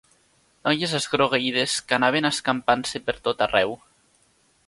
Noies esgrogueïdes que anaven escampant-se per tot arreu.